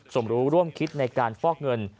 สมรู้ร่วมคิดในการฟอกเงิน